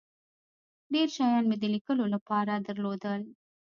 ډیر شیان مې د لیکلو له پاره درلودل.